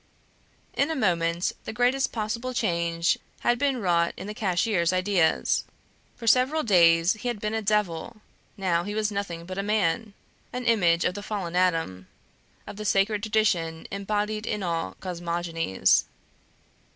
In a moment the greatest possible change had been wrought in the cashier's ideas. For several days he had been a devil, now he was nothing but a man; an image of the fallen Adam, of the sacred tradition embodied in all cosmogonies.